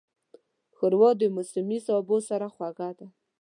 ښوروا د موسمي سبو سره خوږه ده.